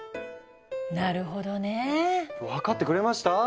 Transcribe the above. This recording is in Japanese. なるほどね。分かってくれました？